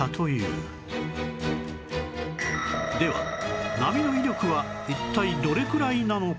波の威力は一体どれくらいなのか？